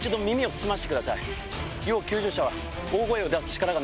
要救助者は。